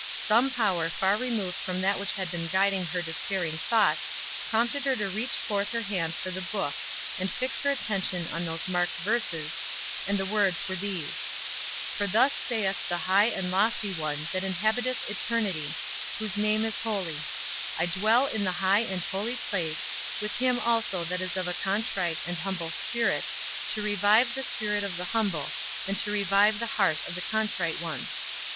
Some power far removed from that which had been guiding her despairing thoughts prompted her to reach forth her hand for the book, and fix her attention on those marked verses, and the words were these: "For thus saith the high and lofty One that inhabiteth eternity, whose name is Holy; I dwell in the high and holy place, with him also that is of a contrite and humble spirit, to revive the spirit of the humble, and to revive the heart of the contrite ones.